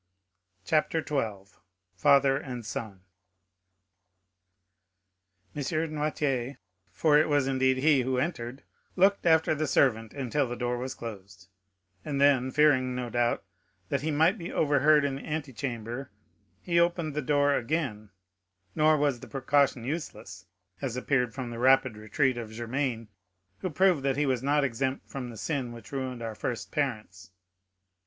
Chapter 12. Father and Son M. Noirtier—for it was, indeed, he who entered—looked after the servant until the door was closed, and then, fearing, no doubt, that he might be overheard in the antechamber, he opened the door again, nor was the precaution useless, as appeared from the rapid retreat of Germain, who proved that he was not exempt from the sin which ruined our first parents.